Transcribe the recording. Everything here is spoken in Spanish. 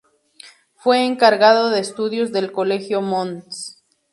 Fue encargado de estudios del Colegio Mons.